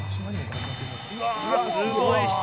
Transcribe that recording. うわっ、すごい人。